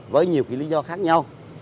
với nhiều lý do khác nhau